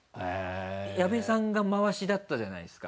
矢部さんが回しだったじゃないですか。